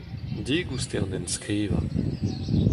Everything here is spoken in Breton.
Digoust eo an enskrivañ.